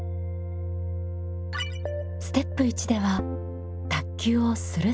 ステップ１では卓球を「する」